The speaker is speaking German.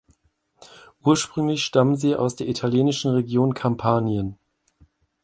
Ursprünglich stammen sie aus der italienischen Region Kampanien.